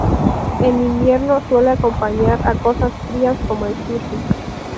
En invierno suele acompañar a cosas frías como el sushi.